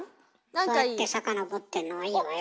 そうやって遡ってんのはいいわよ。